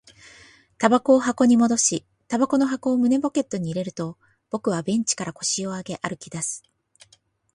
煙草を箱に戻し、煙草の箱を胸ポケットに入れると、僕はベンチから腰を上げ、歩き出す